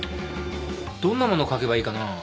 どんなもの描けばいいかな？